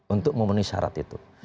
untuk memenuhi syarat itu